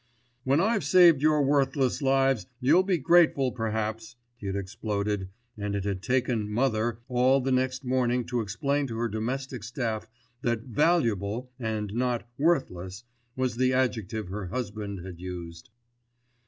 "When I've saved your worthless lives, you'll be grateful perhaps," he had exploded, and it had taken "Mother" all the next morning to explain to her domestic staff that "valuable" and not "worthless" was the adjective her husband had used.